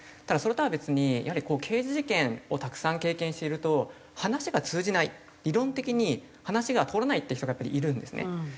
ただそれとは別にやはり刑事事件をたくさん経験していると話が通じない理論的に話が通らないって人がやっぱりいるんですね。